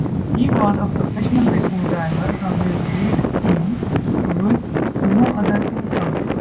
He was a professional racing driver from his late teens, with no other income.